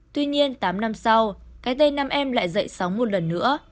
tuy nhiên tám năm sau cái tên nam em lại dậy sóng một lần nữa